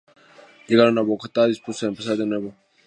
Llegaron a Bogotá dispuestos a empezar de nuevo.